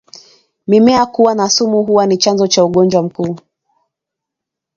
Mimea kuwa na sumu huwa ni chanzo cha ugonjwa huu